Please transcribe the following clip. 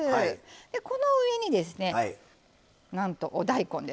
でこの上にですねなんとお大根ですわ。